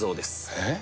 「えっ？」